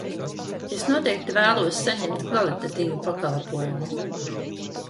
Es noteikti vēlos saņemt kvalitatīvu pakalpojumu!